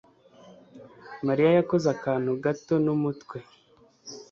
Mariya yakoze akantu gato n'umutwe.